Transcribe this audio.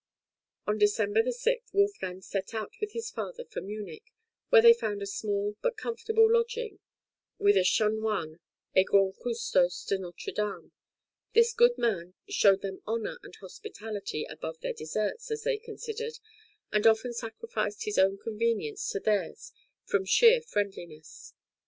On December 6 Wolfgang set out with his father for Munich, where they found a small but comfortable lodging with a Chanoine et grand custos de Notre Dame; this good man showed them honour and hospitality above their deserts, as they considered, and often sacrificed his own convenience to theirs from sheer friendliness.